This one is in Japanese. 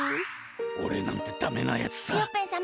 おれなんてダメなやつさ。